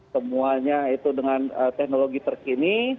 semuanya itu dengan teknologi terkini